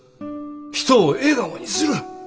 人を笑顔にする。